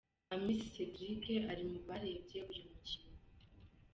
Amiss Cedric ari mu barebye uyu mukino